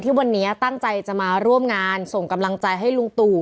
วันนี้ตั้งใจจะมาร่วมงานส่งกำลังใจให้ลุงตู่